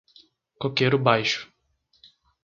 Coqueiro Baixo